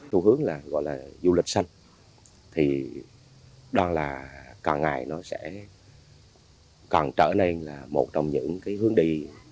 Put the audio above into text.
thu hướng gọi là du lịch xanh thì đoàn là càng ngày nó sẽ càng trở nên là một trong những hướng đi